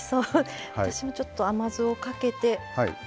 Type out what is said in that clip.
私もちょっと甘酢をかけて。